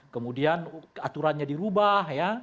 kemudian aturannya dirubah ya